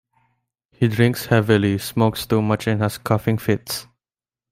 He drinks heavily, smokes too much and has coughing fits.